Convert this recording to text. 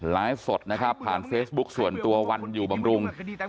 ไลฟ์สดนะครับผ่านเฟซบุ๊คส่วนตัววันอยู่บำรุง